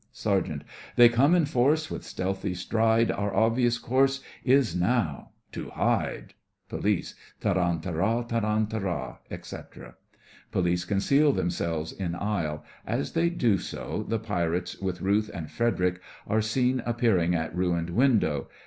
SERGEANT: They come in force, with stealthy stride, Our obvious course is now—to hide. POLICE: Tarantara! Tarantara! etc. (Police conceal themselves in aisle. As they do so, the Pirates, with RUTH and FREDERIC, are seen appearing at ruined window.